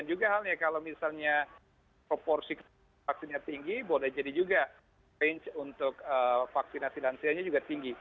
juga halnya kalau misalnya proporsi vaksinnya tinggi boleh jadi juga range untuk vaksinasi lansianya juga tinggi